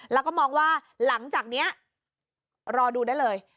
แล้วก็มองว่าหลังจากนี้รอดูได้เลย